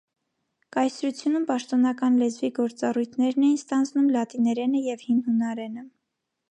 Կայսրությունում պաշտոնական լեզվի գործառույթներն էին ստանձնում լատիներենը և հին հունարենը։